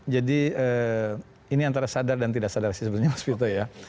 jadi ini antara sadar dan tidak sadar sih sebenarnya mas fiyuto